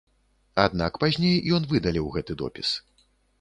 Аднак пазней ён выдаліў гэты допіс.